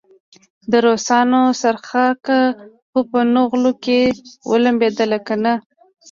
د روسانو څرخکه خو په نغلو کې ولمبېدله کنه.